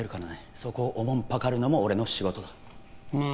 そこをおもんぱかるのも俺の仕事だまあ